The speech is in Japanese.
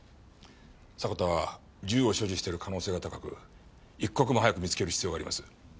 迫田は銃を所持している可能性が高く一刻も早く見つける必要があります。